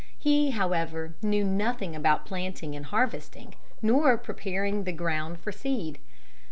He, however, knew nothing about planting and harvesting, nor preparing the ground for seed.